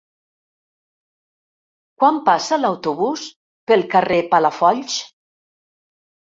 Quan passa l'autobús pel carrer Palafolls?